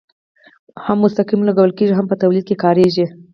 هم مستقیم لګول کیږي او هم په تولید کې کاریږي.